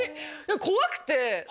怖くて。